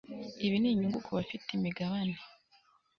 ibi ni inyungu ku bafite imigabane